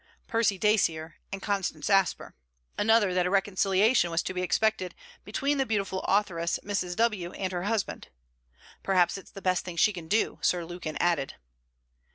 Percy Dacier and Constance Asper: another, that a reconciliation was to be expected between the beautiful authoress Mrs. W. and her husband. 'Perhaps it's the best thing she can do,' Sir Lukin added.